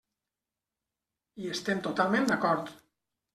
Hi estem totalment d'acord.